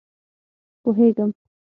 پوهېږم.